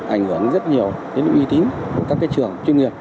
ảnh hưởng rất nhiều đến uy tín của các trường chuyên nghiệp